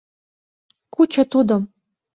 Кучо тудым!